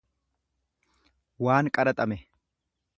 waan qaraxame.